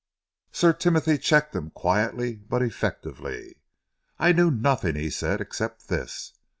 Sir Timothy checked him quietly but effectively. "I knew nothing," he said, "except this.